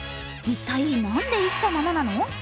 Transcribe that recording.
一体なんで生きたままなの？